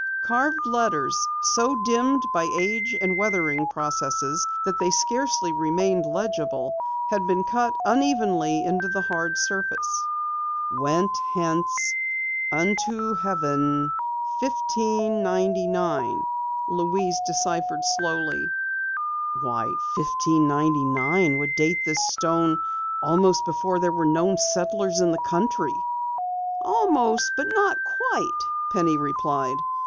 Carved letters, so dimmed by age and weathering processes that they scarcely remained legible, had been cut unevenly in the hard surface. "'Went hence vnto heaven 1599,'" Louise deciphered slowly. "Why, 1599 would date this stone almost before there were known settlers in the country!" "Almost but not quite," replied Penny.